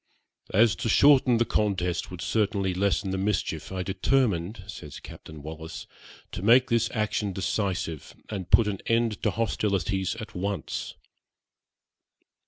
'As to shorten the contest would certainly lessen the mischief, I determined,' says Captain Wallis, 'to make this action decisive, and put an end to hostilities at once.'